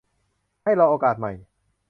ให้รอโอกาสใหม่